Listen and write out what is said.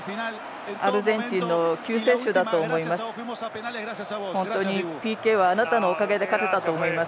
アルゼンチンの救世主だと思います。